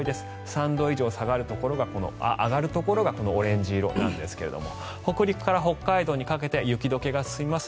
３度以上上がるところがオレンジ色なんですが北陸から北海道にかけて雪解けが進みます。